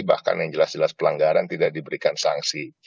bahkan yang jelas jelas pelanggaran tidak diberikan sanksi